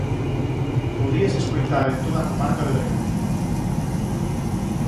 Podíase escoitar en toda a comarca de Bergantiños.